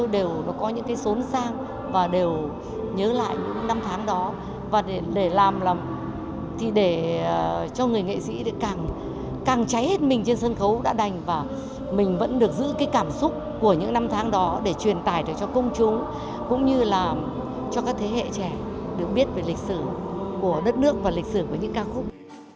đó để truyền tài được cho công chúng cũng như là cho các thế hệ trẻ được biết về lịch sử của đất nước và lịch sử của những ca khúc